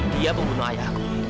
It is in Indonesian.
dia pembunuh ayah aku